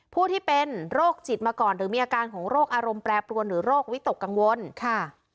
ผู้ที่เป็นโรคจิตมาก่อนหรือมีอาการของโรคอารมณ์แปรปรวนหรือโรควิตกกังวลค่ะ